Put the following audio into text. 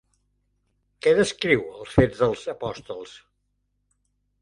Què descriu Els Fets dels Apòstols?